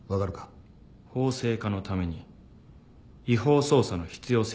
法制化のために違法捜査の必要性の有無を。